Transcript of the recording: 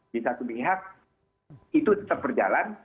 di satu pihak itu tetap berjalan